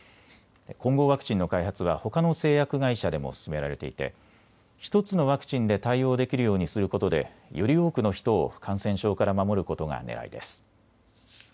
混合ワクチンの開発は、ほかの製薬会社でも進められていて１つのワクチンで対応できるようにすることでより多くの人を感染症から守ることがねらいです。